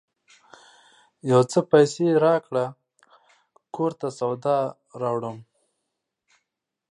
یو څه پیسې راکړه ! کور ته سودا راوړم